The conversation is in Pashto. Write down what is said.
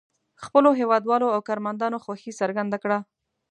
خپلو هېوادوالو او کارمندانو خوښي څرګنده کړه.